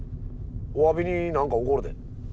おわびに何かおごるで。